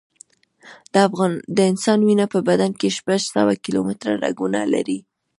د انسان وینه په بدن کې شپږ سوه کیلومټره رګونه لري.